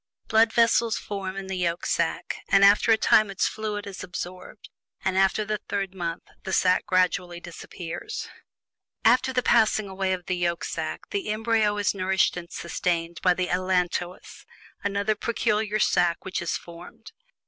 Blood vessels form in this yolk sack, and after a time its fluid is absorbed, and after the third month the sack gradually disappears. After the passing away of the yolk sack, the embryo is nourished and sustained by the "allantois," another peculiar sack which is formed.